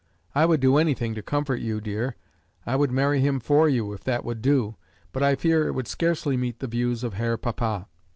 I would do anything to comfort you, dear. I would marry him for you, if that would do; but I fear it would scarcely meet the views of Herr Papa.